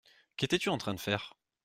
Qu’étais-tu en train de faire ?